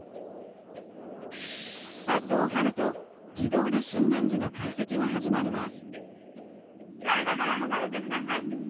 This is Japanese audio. パッドを貼ると自動で心電図の解析が始まります。